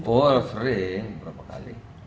oh sering berapa kali